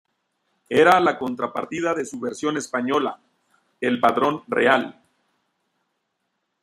Era la contrapartida de su versión española, el Padrón Real.